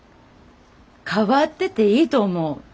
変わってていいと思う。